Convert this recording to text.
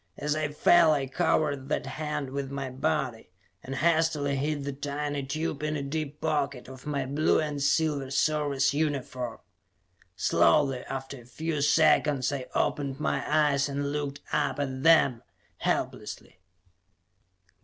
As I fell, I covered that hand with my body and hastily hid the tiny tube in a deep pocket of my blue and silver Service uniform. Slowly, after a few seconds, I opened my eyes and looked up at them, helplessly.